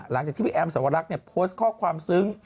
หลังจากที่พี่แอมสวรรคโพสต์ข้อความซึ้ง